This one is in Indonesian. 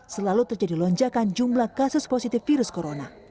selalu terjadi lonjakan jumlah kasus positif virus corona